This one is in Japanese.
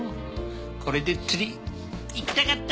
これで釣り行きたかった！